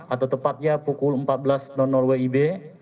atau tepatnya pukul empat belas wib